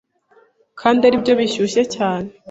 kandi aribyo bishyushye cyane